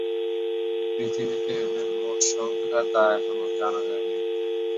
পৃথিবীতে এদের মোট সংখ্যা তা এখনও জানা যায়নি।